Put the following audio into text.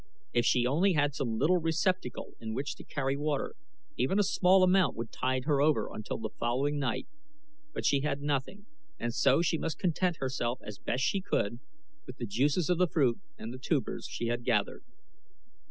If she only had some little receptacle in which to carry water, even a small amount would tide her over until the following night; but she had nothing and so she must content herself as best she could with the juices of the fruit and tubers she had gathered.